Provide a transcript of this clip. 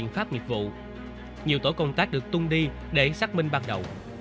pháp nghiệp vụ nhiều tổ công tác được tung đi để xác minh ban đầu